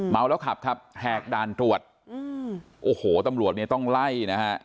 เมาแล้วขับครับแหกด่านตรวจอืมโอ้โหตำรวจเนี่ยต้องไล่นะฮะ